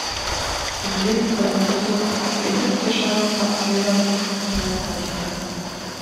Problem über die Lösung elliptischer partieller Differentialgleichungen.